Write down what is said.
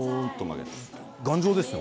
頑丈ですね。